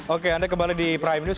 oke anda kembali di prime news